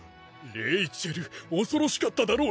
⁉レイチェル恐ろしかっただろうに。